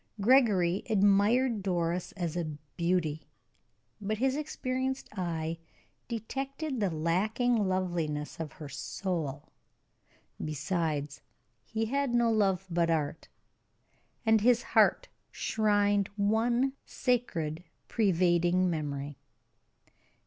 Gregory admired Doris as a beauty, but his experienced eye detected the lacking loveliness of her soul. Besides, he had no love but art, and his heart shrined one sacred pervading memory.